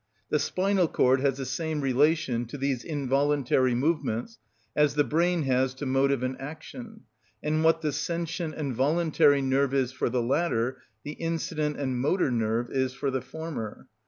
The spinal cord has the same relation to these involuntary movements as the brain has to motive and action, and what the sentient and voluntary nerve is for the latter the incident and motor nerve is for the former.